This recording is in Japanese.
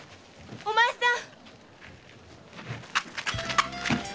お前さん！